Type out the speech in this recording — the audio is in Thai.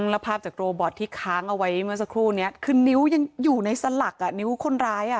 แล้วภาพจากโรบอตที่ค้างเอาไว้เมื่อสักครู่นี้คือนิ้วยังอยู่ในสลักอ่ะนิ้วคนร้าย